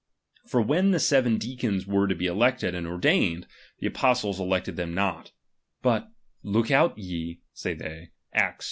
For when the se%'en deacons were to be elected and ordained, the apostles elected them not : but, loot m/e out, say they (Acts \\.